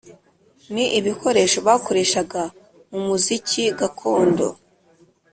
Ni ibikoresho bakoreshaga mu muziki gakondo